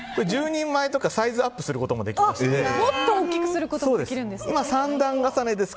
１０人前とかサイズアップすることもできましてもっと大きくすることもできるんです。